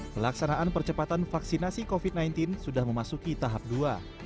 pelaksanaan percepatan vaksinasi covid sembilan belas sudah memasuki tahap dua